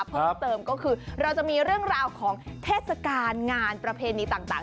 เพิ่มเติมก็คือเราจะมีเรื่องราวของเทศกาลงานประเพณีต่าง